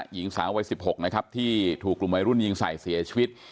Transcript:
หญิงสาววัย๑๖นะครับที่ถูกกลุ่มวัยรุ่นยิงใส่เสียชีวิต